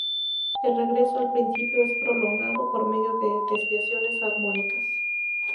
El regreso al principio es prolongado por medio de desviaciones armónicas.